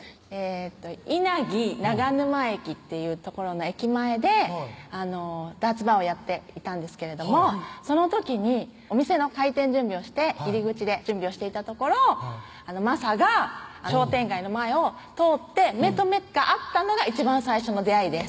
稲城長沼駅っていう所の駅前でダーツバーをやっていたんですけれどもその時にお店の開店準備をして入り口で準備をしていたところまさが商店街の前を通って目と目が合ったのが一番最初の出会いです